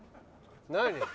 何？